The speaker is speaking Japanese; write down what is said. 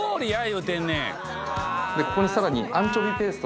ここにさらに。